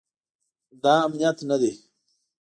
دا امنیت نه دی